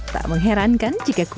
tak mengherankan jika kukus